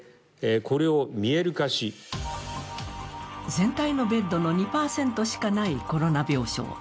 全体のベッドの２％しかないコロナ病床。